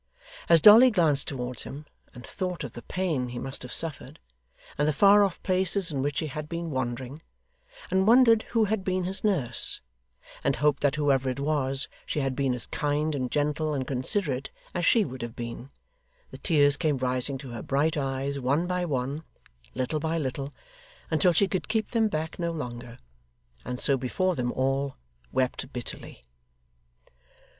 As Dolly glanced towards him, and thought of the pain he must have suffered, and the far off places in which he had been wandering, and wondered who had been his nurse, and hoped that whoever it was, she had been as kind and gentle and considerate as she would have been, the tears came rising to her bright eyes, one by one, little by little, until she could keep them back no longer, and so before them all, wept bitterly.